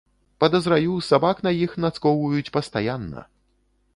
Падазраю, сабак на іх нацкоўваюць пастаянна.